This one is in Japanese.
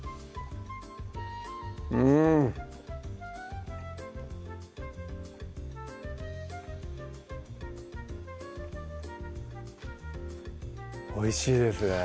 うんおいしいですね